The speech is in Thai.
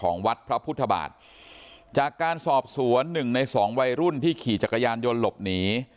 วัดพระพุทธบาทจากการสอบสวนหนึ่งในสองวัยรุ่นที่ขี่จักรยานยนต์หลบหนี